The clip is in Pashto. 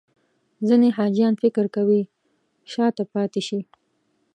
ځینې حاجیان فکر کوي شاته پاتې شي.